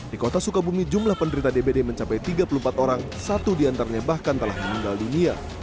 di kota sukabumi jumlah penderita dbd mencapai tiga puluh empat orang satu diantaranya bahkan telah meninggal dunia